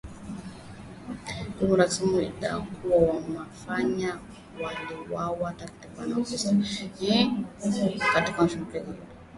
Jimbo Kiislamu ilidai kuwa wanachama wake waliwauwa takribani wakristo ishirini na kuchoma moto malori sita katika shambulizi hilo.